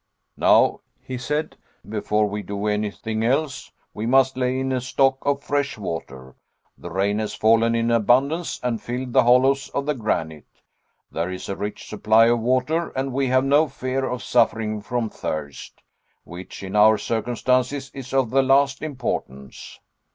"Now," he, "before we do anything else, we must lay in a stock of fresh water. The rain has fallen in abundance, and filled the hollows of the granite. There is a rich supply of water, and we have no fear of suffering from thirst, which in our circumstances is of the last importance.